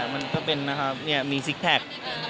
มันก็เป็นนะครับมีซิกแพค